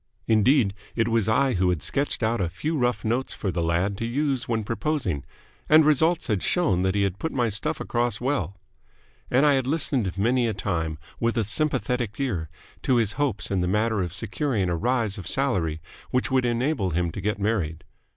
Indeed, it was I who had sketched out a few rough notes for the lad to use when proposing; and results had shown that he had put my stuff across well. And I had listened many a time with a sympathetic ear to his hopes in the matter of securing a rise of salary which would enable him to get married.